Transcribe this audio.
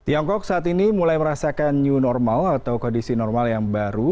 tiongkok saat ini mulai merasakan new normal atau kondisi normal yang baru